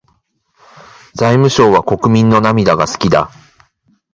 財務省は国民の涙が好きだ。